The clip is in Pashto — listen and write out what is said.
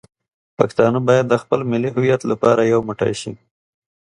پښتانه باید د خپل ملي هویت لپاره یو موټی شي.